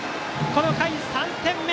この回、３点目！